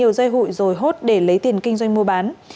linh đứng tên có nhiều dây hụi rồi hốt để lấy tiền kinh doanh mua bán